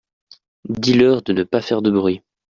Dis-leur de ne pas faire de bruit.